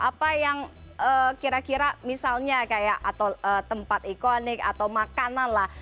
apa yang kira kira misalnya kayak atau tempat ikonik atau makanan lah